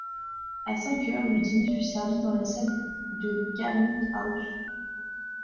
À cinq heures, le dîner fut servi dans la salle de Granite-house.